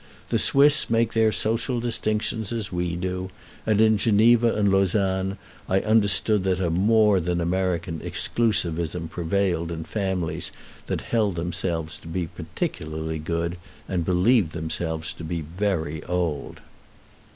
The Swiss make their social distinctions as we do; and in Geneva and Lausanne I understood that a more than American exclusivism prevailed in families that held themselves to be peculiarly good, and believed themselves very old.